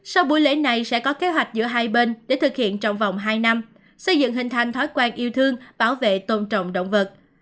sau buổi lễ này sẽ có kế hoạch giữa hai bên để thực hiện trong vòng hai năm xây dựng hình thành thói quen yêu thương bảo vệ tôn trọng động vật